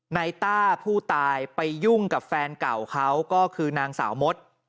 ต้าผู้ตายไปยุ่งกับแฟนเก่าเขาก็คือนางสาวมด